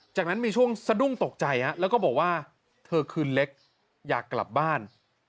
จากนั้นมีช่วงสะดุ้งตกใจแล้วก็บอกว่าเธอคืนเล็กอยากกลับบ้าน